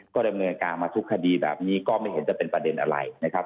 ก็ดำเนินการมาทุกคดีแบบนี้ก็ไม่เห็นจะเป็นประเด็นอะไรนะครับ